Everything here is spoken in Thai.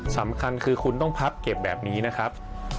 สำคัญคือคุณต้องพับเก็บแบบนี้นะครับ